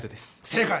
正解。